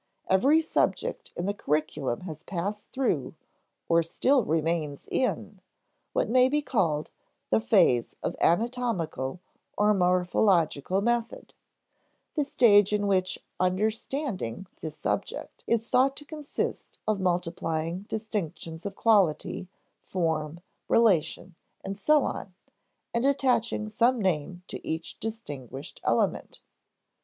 Every subject in the curriculum has passed through or still remains in what may be called the phase of anatomical or morphological method: the stage in which understanding the subject is thought to consist of multiplying distinctions of quality, form, relation, and so on, and attaching some name to each distinguished element.